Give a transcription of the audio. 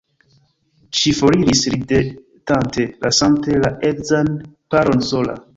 Ŝi foriris ridetante, lasante la edzan paron sola.